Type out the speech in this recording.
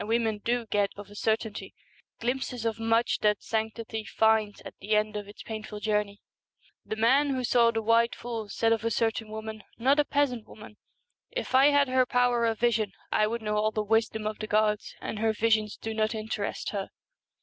women do get of a certainty, glimpses of much that sanctity finds at the end of 192 its painful journey. The man who saw The , i • r 1 • i r • Queen and the white tool said of a certain woman, the Fool. not a peasant woman, * If I had her power of vision I would know all the wisdom of the gods, and her visions do not interest her.'